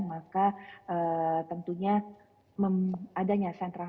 maka tentunya ada nyasaran vaksin